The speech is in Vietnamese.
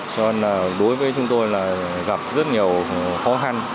cho nên là đối với chúng tôi là gặp rất nhiều khó khăn